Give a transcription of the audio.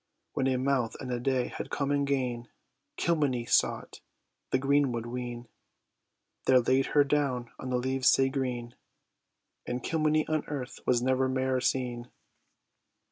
When a month and a day had come and gane, Kilmeny sought the green wood wene; There laid her down on the leaves sae green, And Kilmeny on earth was never mair seen.